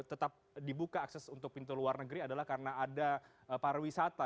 untuk tetap dibuka akses untuk pintu luar negeri adalah karena ada para wisata